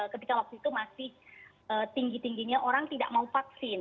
ketika waktu itu masih tinggi tingginya orang tidak mau vaksin